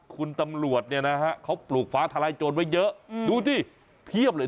คุณตำรวจเนี่ยนะฮะเขาปลูกฟ้าทลายโจรไว้เยอะดูสิเพียบเลย